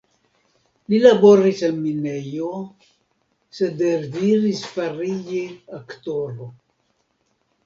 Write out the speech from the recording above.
Li laboris en minejo, sed deziris fariĝi aktoro.